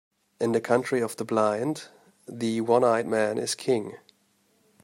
In the country of the blind, the one-eyed man is king.